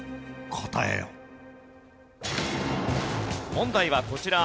問題はこちら。